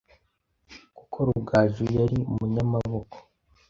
kuko Rugaju yari umunyamaboko;